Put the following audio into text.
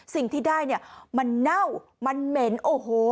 สิ่งที่ได้เนี่ยมันเน่ามันเหม็นโอ้โห